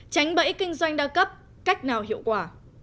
tránh bẫy kinh doanh đa cấp cách nào hiệu quả